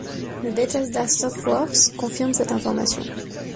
Le Bethesda Softworks confirme cette information.